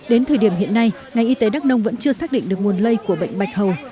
đến thời điểm hiện nay ngành y tế đắk nông vẫn chưa xác định được nguồn lây của bệnh bạch hầu